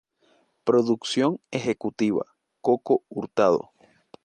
Producción ejecutiva: Coco Hurtado.